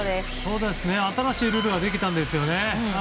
新しいルールができたんですよね。